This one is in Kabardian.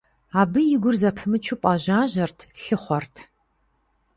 Абы и гур зэпымычу пӏэжьажьэрт, лъыхъуэрт.